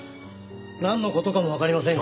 なんの事かもわかりませんよ。